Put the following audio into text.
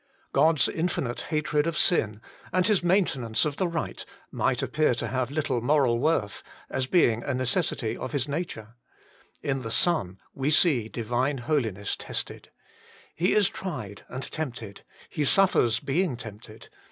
God's infinite hatred of sin, and His maintenance of the Eight, might appear to have little moral worth, as being a 126 HOLY IN CHRIST. necessity of His nature. In the Son we see Divine Holiness tested. He is tried and tempted. He suffers, being tempted.